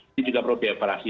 ini juga perlu diapalasi